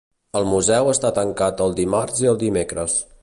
El museu està tancat el dimarts i el dimecres.